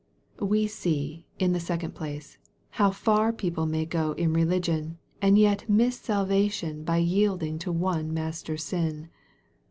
We see, in the second place, how far people may go in religion, and yet miss salvation by yielding to one master sin.